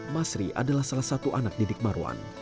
masri adalah salah satu anak didik marwan